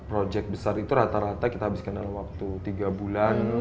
proyek besar itu rata rata kita habiskan dalam waktu tiga bulan